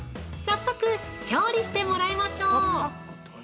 早速、調理してもらいましょう。